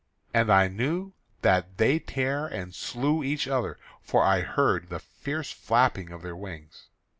And I knew that they tare and slew each other, for I heard the fierce flapping of their wings.